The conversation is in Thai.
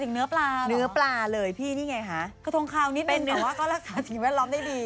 หมายถึงเนื้อปลาเหรอ